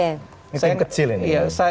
ini tim kecil ini